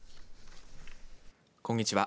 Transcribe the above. こんにちは。